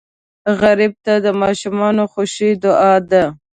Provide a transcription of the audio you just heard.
غریب ته د ماشومانو خوښي دعا ده